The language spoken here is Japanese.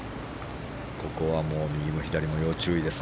ここは右も左も要注意です。